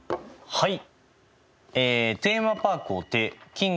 はい。